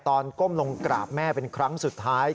ก้มลงกราบแม่เป็นครั้งสุดท้าย